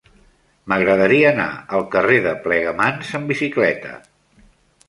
M'agradaria anar al carrer de Plegamans amb bicicleta.